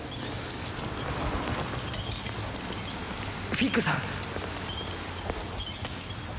フィッグさん